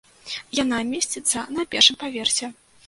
Яна месціцца на першым паверсе.